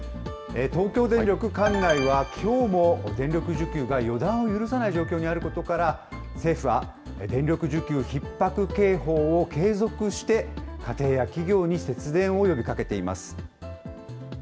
東京電力管内は、きょうも電力需給が予断を許さない状況にあることから、政府は、電力需給ひっ迫警報を継続して家庭や企業に節電を呼びかけています。